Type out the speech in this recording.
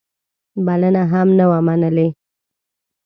بلنه هم نه وه منلې.